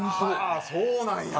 そうなんや。